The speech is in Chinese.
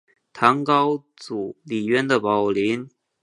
唐高祖李渊的宝林。